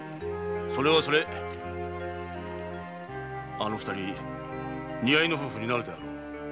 あの二人似合いの夫婦になるであろう。